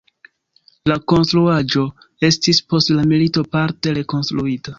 La konstruaĵo estis post la milito parte rekonstruita.